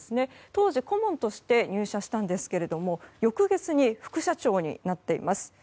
当時、顧問として入社したんですけれども翌月に副社長になっています。